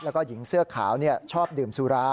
แล้วก็หญิงเสื้อขาวชอบดื่มสุรา